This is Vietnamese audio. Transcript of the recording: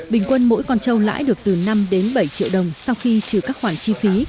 bình quân mỗi con trâu lãi được từ năm đến bảy triệu đồng sau khi trừ các khoản chi phí